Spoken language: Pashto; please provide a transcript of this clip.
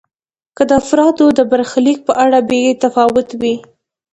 که د افرادو د برخلیک په اړه بې تفاوت وي.